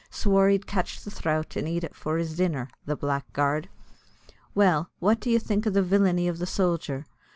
swore he'd catch the throut and ate it for his dinner the blackguard! Well, what would you think o' the villainy of the sojer?